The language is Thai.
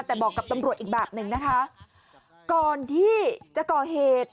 แต่บอกกับตำรวจอีกแบบหนึ่งนะคะก่อนที่จะก่อเหตุ